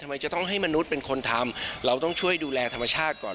ทำไมจะต้องให้มนุษย์เป็นคนทำเราต้องช่วยดูแลธรรมชาติก่อน